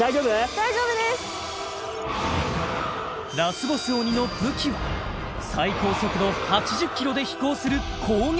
大丈夫ですラスボス鬼の武器は最高速度８０キロで飛行する攻撃